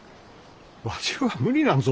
わしは無理なんぞ。